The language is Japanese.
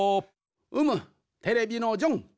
うむテレビのジョン。